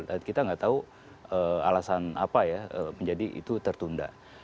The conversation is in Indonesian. dan kita nggak tahu alasan apa ya menjadi itu tertunda